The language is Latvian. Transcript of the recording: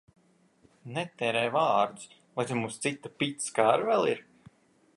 Netērē vārdus! Vai tad mums cita picka ar vēl ir?